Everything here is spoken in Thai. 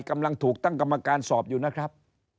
กำลังถูกตั้งกรรมการสอบอยู่นะครับ